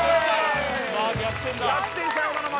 逆転サヨナラま